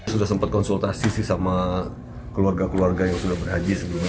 sudah sempat konsultasi sih sama keluarga keluarga yang sudah berhaji sebelumnya